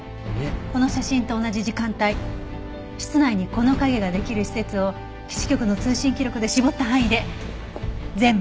この写真と同じ時間帯室内にこの影ができる施設を基地局の通信記録で絞った範囲で全部。